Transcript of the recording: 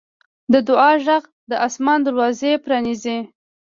د دعا غږ د اسمان دروازې پرانیزي.